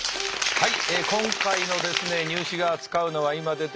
はい。